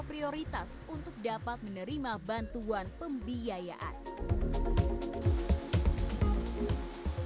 seorang investor prioritas untuk dapat menerima bantuan pembiayaan